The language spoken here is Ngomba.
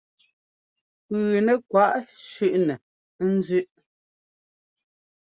Pʉʉnɛ́ kwaʼ shúnɛ ɛ́nzʉ́ʼ.